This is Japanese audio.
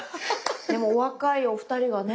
でもお若いお二人がね。